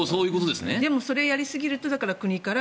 でも、それをやりすぎると国から